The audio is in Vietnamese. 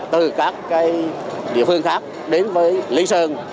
từ các địa phương khác đến với lý sơn